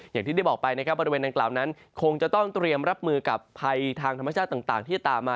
อย่างที่ได้บอกไปนะครับบริเวณดังกล่าวนั้นคงจะต้องเตรียมรับมือกับภัยทางธรรมชาติต่างที่จะตามมา